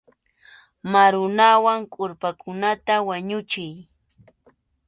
Marunawan kʼurpakunata wañuchiy.